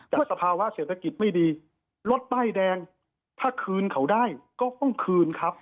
แต่สภาวะเศรษฐกิจไม่ดีรถป้ายแดงถ้าคืนเขาได้ก็ต้องคืนครับ